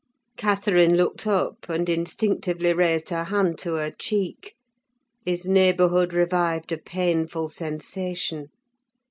Catherine looked up, and instinctively raised her hand to her cheek: his neighbourhood revived a painful sensation.